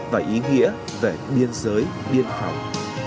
và ý nghĩa về biên giới biên phòng